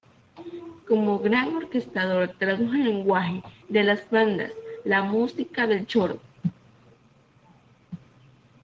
Como gran orquestador tradujo al lenguaje de las bandas la música del choro.